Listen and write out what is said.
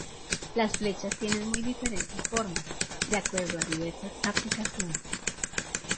Las flechas tienen muy diferentes formas, de acuerdo a diversas aplicaciones.